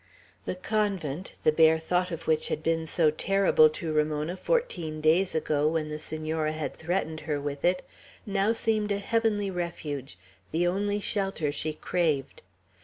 The convent, the bare thought of which had been so terrible to Ramona fourteen days ago, when the Senora had threatened her with it, now seemed a heavenly refuge, the only shelter she craved.